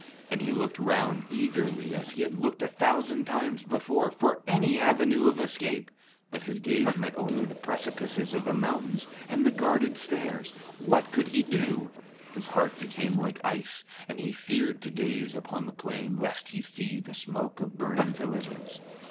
And he looked round eagerly, as he had looked a thousand times before, for any avenue of escape; but his gaze met only the great precipices of the mountain and the guarded stairs. What could he do? His heart became like ice, and he feared to gaze upon the plain lest he see the smoke of burning villages.